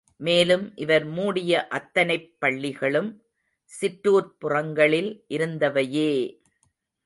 மேலும் இவர் மூடிய அத்தனைப் பள்ளிகளும் சிற்றூர்ப் புறங்களில் இருந்தவையே!